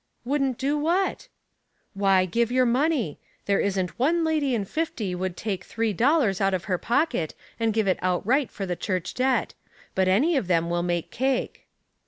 "Wouldn't do what?" " Why, give your money. There isn't one lady in fifty would take three dollars out of her pocket and give it outright for the church debt ; but any of them will make cake."